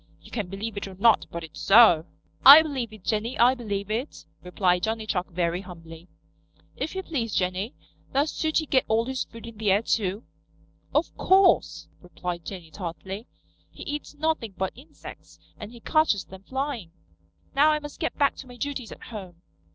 You can believe it or not, but it's so." "I believe it, Jenny, I believe it," replied Johnny Chuck very humbly. "If you please, Jenny, does Sooty get all his food in the air too?" "Of course," replied Jenny tartly. "He eats nothing but insects, and he catches them flying. Now I must get back to my duties at home."